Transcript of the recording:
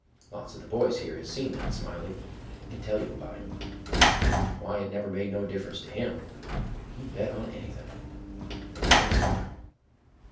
Lots of the boys here has seen that Smiley and can tell you about him. Why, it never made no difference to him—he'd bet on any thing—the dangest feller.